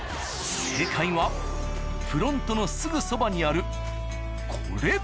正解はフロントのすぐそばにあるこれ。